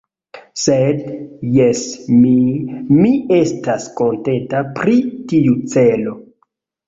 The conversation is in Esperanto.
Sed, jes, mi... mi estas kontenta pri tiu celo.